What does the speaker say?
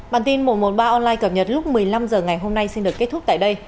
bản tin một trăm một mươi ba online cập nhật lúc một mươi năm h ngày hôm nay xin được kết thúc tại đây